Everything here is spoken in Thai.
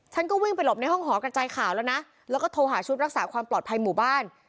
ฉันก็วิ่งไปหลบในห้องหอกระจายข่าวแล้วนะแล้วก็โทรหาชุดรักษาความปลอดภัยหมู่บ้าน